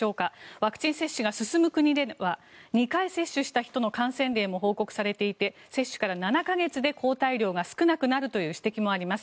ワクチン接種が進む国では２回接種した人の感染例も報告されていて接種から７か月で抗体量が少なくなるという指摘もあります。